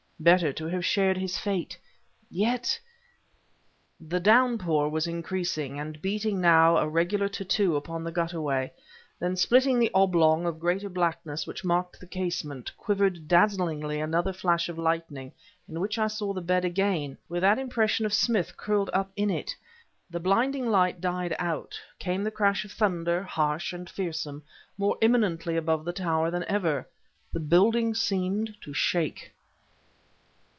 Better to have shared his fate yet... The downpour was increasing, and beating now a regular tattoo upon the gutterway. Then, splitting the oblong of greater blackness which marked the casement, quivered dazzlingly another flash of lightning in which I saw the bed again, with that impression of Smith curled up in it. The blinding light died out; came the crash of thunder, harsh and fearsome, more imminently above the tower than ever. The building seemed to shake.